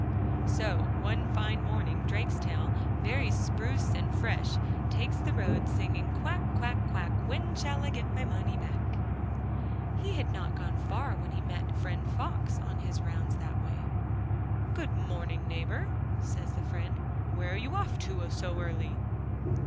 So one fine morning Drakestail, very spruce and fresh, takes the road, singing: 'Quack, quack, quack, when shall I get my money back?' He had not gone far when he met friend Fox, on his rounds that way. 'Good morning, neighbour,' says the friend, 'where are you off to so early?